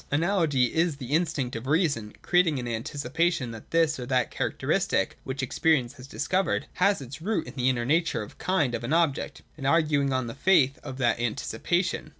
Analogy is the in stinct of reason, creating an anticipation that this or that characteristic, which experience has discovered, has its root in the inner nature or kind of an object, and arguing on the faith of that anticipation.